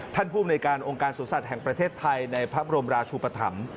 ภูมิในการองค์การสวนสัตว์แห่งประเทศไทยในพระบรมราชุปธรรม